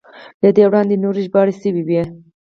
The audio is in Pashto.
له دې وړاندې نورې ژباړې شوې وې.